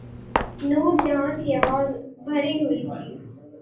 نور جہاں کی آواز بھری ہوئی تھی۔